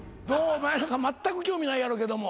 お前なんかまったく興味ないやろうけども。